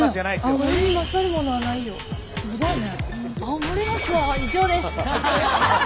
そうだよね。